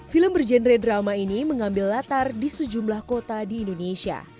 film berjenre drama ini mengambil latar di sejumlah kota di indonesia